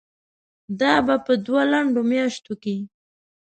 دا به په دوو لنډو میاشتو کې